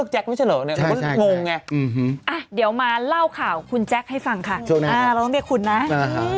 โชคดีครับครับมาหาคุณนะอืมโชคดีครับ